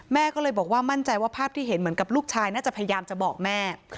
แม่ก็เลยบอกว่ามั่นใจว่าภาพที่เห็นเหมือนกับลูกชายน่าจะพยายามจะบอกแม่